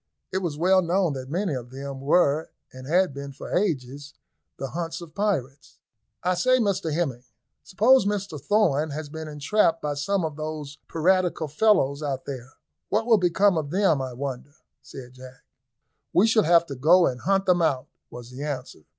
It was well known that many of them were, and had been for ages, the haunts of pirates. "I say, Hemming, suppose Mr Thorn has been entrapped by some of those piratical fellows out there; what will become of them, I wonder?" said Jack. "We shall have to go and hunt them out," was the answer.